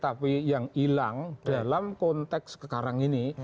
tapi yang hilang dalam konteks sekarang ini